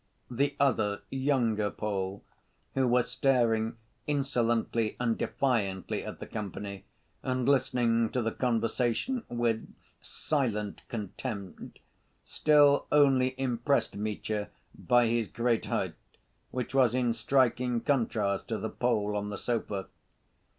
The other, younger Pole, who was staring insolently and defiantly at the company and listening to the conversation with silent contempt, still only impressed Mitya by his great height, which was in striking contrast to the Pole on the sofa.